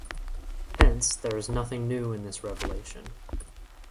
Hence, there is nothing new in this revelation.